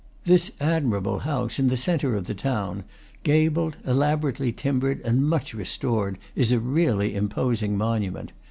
This admirable house, in the centre of the town, gabled, elaborately timbered, and much restored, is a really imposing monument.